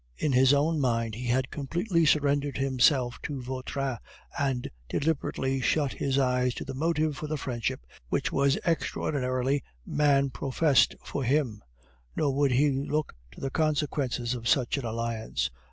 In his own mind he had completely surrendered himself to Vautrin, and deliberately shut his eyes to the motive for the friendship which that extraordinary man professed for him, nor would he look to the consequences of such an alliance.